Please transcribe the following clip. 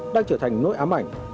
đang trở thành nỗi ám ảnh